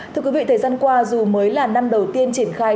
thưa quý vị thời gian qua dù mới là năm đầu tiên triển khai